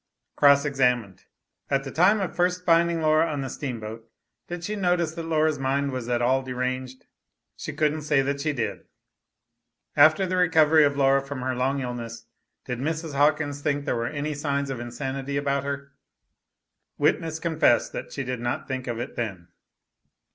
Cross examined. At the time of first finding Laura on the steamboat, did she notice that Laura's mind was at all deranged? She couldn't say that she did. After the recovery of Laura from her long illness, did Mrs. Hawkins think there were any signs of insanity about her? Witness confessed that she did not think of it then.